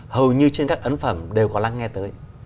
hầu như trên các ấn phẩm đều có lắng nghe tới